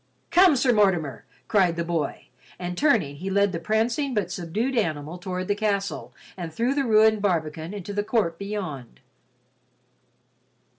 "Come, Sir Mortimer!" cried the boy, and turning he led the prancing but subdued animal toward the castle and through the ruined barbican into the court beyond.